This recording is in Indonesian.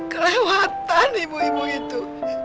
kelewatan ibu ibu itu